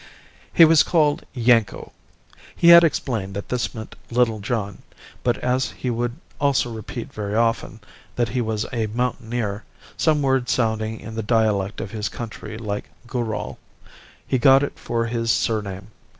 "He was called Yanko. He had explained that this meant little John; but as he would also repeat very often that he was a mountaineer (some word sounding in the dialect of his country like Goorall) he got it for his surname.